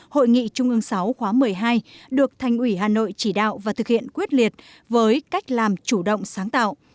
hội nghị trung ương sáu khóa một mươi hai được thành ủy hà nội chỉ đạo và thực hiện quyết liệt với cách làm chủ động sáng tạo